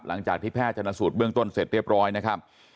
หลังจากที่แพทย์ชนสูตรเบื้องต้นเสร็จเรียบร้อยนะครับ